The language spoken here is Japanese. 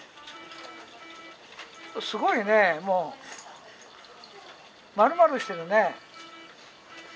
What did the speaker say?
すごいねもうまるまるしてるね。